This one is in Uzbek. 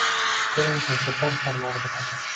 Keling, sizga bir sirni o`rgataman